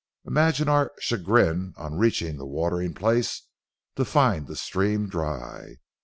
Imagine our chagrin on reaching the watering place to find the stream dry.